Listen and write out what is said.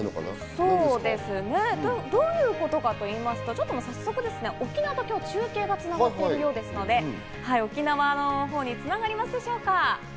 そうですね、どういうことかと言いますと、早速今日、沖縄と中継が繋がっているようですので、沖縄のほうに繋がりますでしょうか？